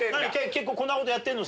結構こんなことやってんの？